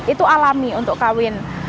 itu alami untuk kawin